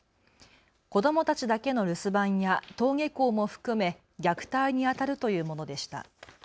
子どもたちだけの留守番や登下校も含め虐待にあたるというものでした。